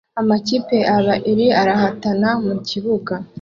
Amakipe abiri arahatana mukibuga